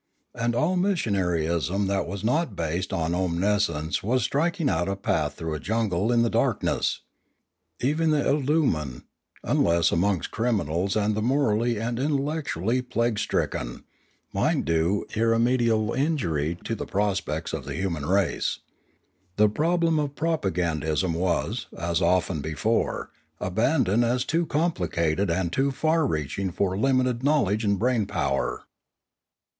And all missionaryism that was not based on omniscience was striking out a path through a jungle in the dark ness. Even the idlumian, unless amongst criminals and the morally and intellectually plague stricken, might do irremediable injury to the prospects of the human race. The problem of propagandism was, as often before, abandoned as too complicated and too far reaching for limited knowledge and brain power.